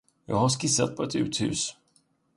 Jag har skissat på ett uthus.